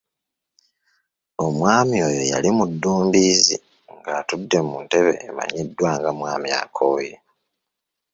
Omwami oyo yali mu ddumbiizi ng'atudde mu ntebe emanyiddwa nga "Mwami akooye".